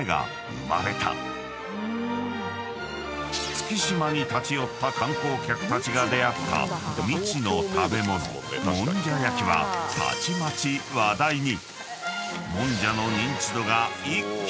［月島に立ち寄った観光客たちが出合った未知の食べ物もんじゃ焼きはたちまち話題に］